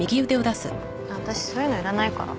あっ私そういうのいらないから。